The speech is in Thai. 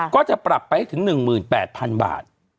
ก็จะปรับไปให้ถึง๑๘๐๐๐บาท